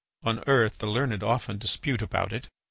On earth the learned often dispute about it.